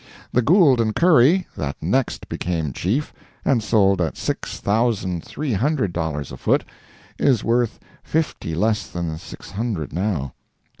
The Gould & Curry, that next became chief, and sold at six thousand three hundred dollars a foot, is worth fifty less than six hundred now.